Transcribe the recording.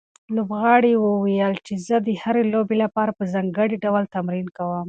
لوبغاړي وویل چې زه د هرې لوبې لپاره په ځانګړي ډول تمرین کوم.